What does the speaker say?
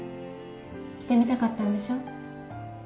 着てみたかったんでしょ。